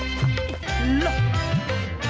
jangan terlalu banyak